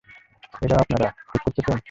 এইটাও আপনারা, ঠিক করতাছেন?